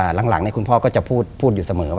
หลังนี่คุณพ่อก็จะพูด